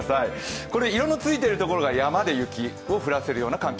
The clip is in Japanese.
色のついているところが山で雪を降らせる寒気。